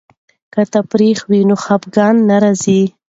که تفریح وي نو خفګان نه راځي.